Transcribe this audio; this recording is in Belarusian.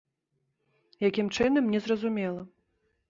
Якім чынам, не зразумела.